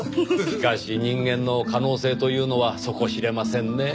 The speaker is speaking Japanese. しかし人間の可能性というのは底知れませんねぇ。